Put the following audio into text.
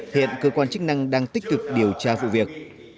hiện cơ quan chức năng đang tích cực điều tra vụ việc